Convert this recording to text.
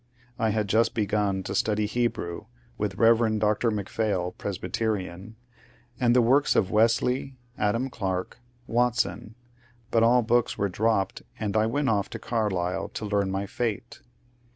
I had just begun to / 92 MONCURE DANIEL CX)NWAY study Hebrew (with Bey. Dr. McPhail, Presbyterian), and the works of Wesley, Adam Clarke, Watson, but all books were dropped and I went off to Carlisle to learn my fate.